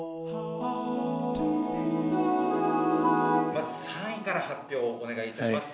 まず３位から発表をお願いいたします。